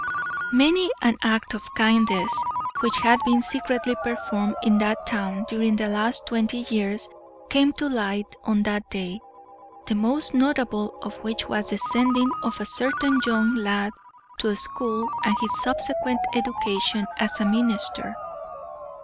Many an act of kindness which had been secretly performed in that town during the last twenty years came to light on that day, the most notable of which was the sending of a certain young lad to school and his subsequent education as a minister.